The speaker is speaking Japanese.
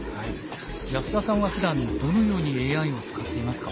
安田さんはふだんどのようにＡＩを使っていますか？